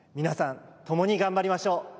皆さんともに頑張りましょう。